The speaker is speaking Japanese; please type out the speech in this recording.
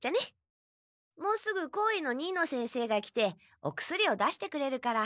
もうすぐ校医の新野先生が来てお薬を出してくれるから。